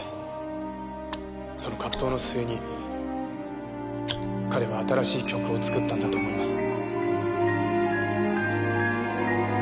その葛藤の末に彼は新しい曲を作ったんだと思います。